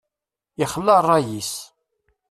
Ixla ṛṛay-is.